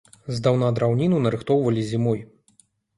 Здаўна драўніну нарыхтоўвалі зімой.